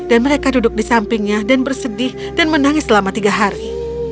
dan mereka duduk di sampingnya dan bersedih dan menangis selama tiga hari